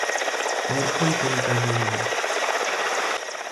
اور کوئی طریقہ نہیں ہے